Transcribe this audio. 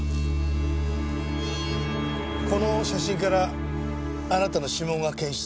この写真からあなたの指紋が検出されました。